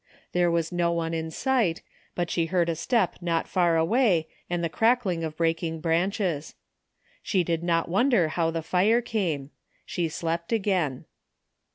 There was no one in sight, but she heard a step not far away and the crackling of breaking branches. She did not wonder how the fire came. She slept again.